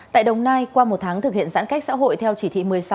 tại đồng nai qua một tháng thực hiện giãn cách xã hội theo chỉ thị một mươi sáu